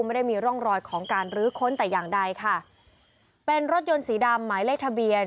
ไม่ได้มีร่องรอยของการลื้อค้นแต่อย่างใดค่ะเป็นรถยนต์สีดำหมายเลขทะเบียน